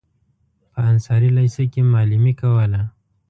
په انصاري لېسه کې معلمي کوله.